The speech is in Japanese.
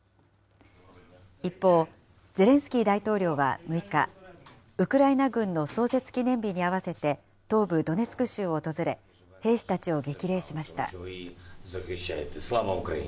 一方、ゼレンスキー大統領は６日、ウクライナ軍の創設記念日に合わせて東部ドネツク州を訪れ、兵士たちを激励しました。